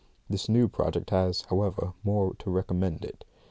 This new project has, however, more to recommend it.